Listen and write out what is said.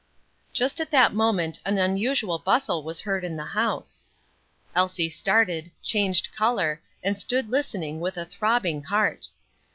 Just at that moment an unusual bustle was heard in the house. Elsie started, changed color, and stood listening with a throbbing heart.